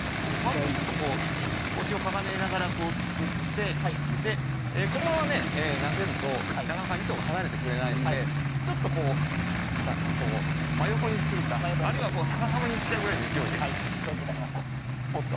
腰をかがめながらすくってこのまま投げるとなかなか、みそが離れてくれないのでちょっと真横にするかあるいは逆さまにしちゃうぐらいの勢いで、ぼんと。